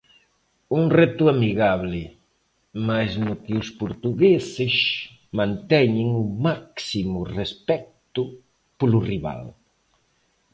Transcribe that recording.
Un reto amigable, mais no que os portugueses manteñen o máximo respecto polo rival.